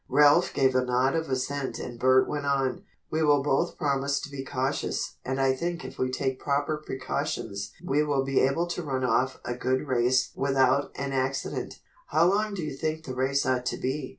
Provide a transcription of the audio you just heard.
Ralph gave a nod of assent and Bert went on: "We will both promise to be cautious, and I think if we take proper precautions we will be able to run off a good race without an accident. How long do you think the race ought to be?"